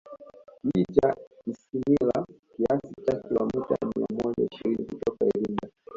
Kijiji cha Isimila kiasi cha Kilomita mia moja ishirini kutoka Iringa